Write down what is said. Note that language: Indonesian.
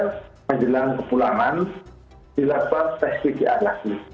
setelah dinyatakan ke pulangan dilakukan test pcr lagi